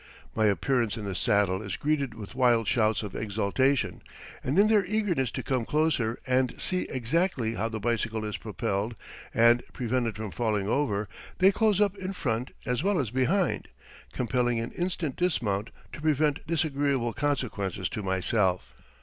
My appearance in the saddle is greeted with wild shouts of exultation, and in their eagerness to come closer and see exactly how the bicycle is propelled and prevented from falling over, they close up in front as well as behind, compelling an instant dismount to prevent disagreeable consequences to myself.